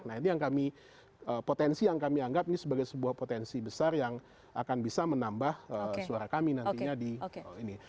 nah itu yang kami potensi yang kami anggap ini sebagai sebuah potensi besar yang akan bisa menambah suara kami nantinya di ini